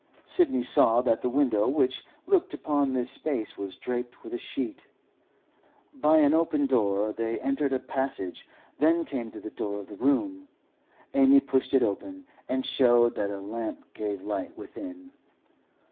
Sidney saw that the window which looked upon this space was draped with a sheet. By an open door they entered a passage, then came to the door of the room. Amy pushed it open, and showed that a lamp gave light within.